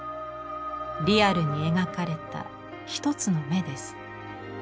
リアルに描かれた一つの眼です。